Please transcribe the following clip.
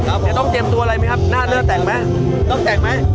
เดี๋ยวต้องเตรียมตัวอะไรไหมครับหน้าเลิกแต่งไหมต้องแต่งไหม